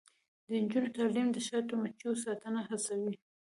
د نجونو تعلیم د شاتو مچیو ساتنه هڅوي.